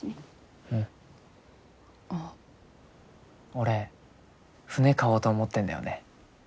俺船買おうと思ってんだよね。